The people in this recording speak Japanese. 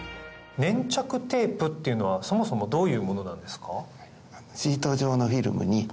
粘着テープっていうのはそもそもどういうものなんですか？